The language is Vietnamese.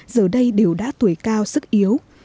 giờ đây đều đã tuổi cao sức yếu